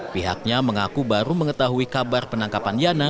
pihaknya mengaku baru mengetahui kabar penangkapan yana